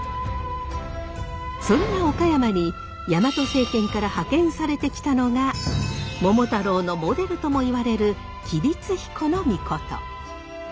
そんな岡山にヤマト政権から派遣されてきたのが桃太郎のモデルともいわれる吉備津彦命。